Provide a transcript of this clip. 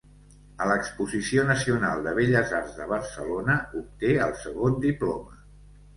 A l'Exposició Nacional de Belles Arts de Barcelona Obté el segon diploma.